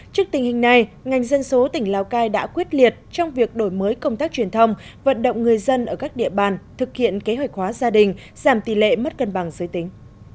trước tình hình này ngành dân số tỉnh lào cai đã quyết liệt trong việc đổi mới công tác truyền thông vận động người dân ở các địa bàn thực hiện kế hoạch hóa gia đình giảm tỷ lệ mất cân bằng giới tính